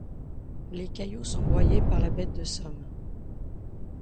Les cailloux sont broyés par la bête de somme